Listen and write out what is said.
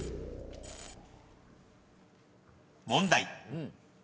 ［問題］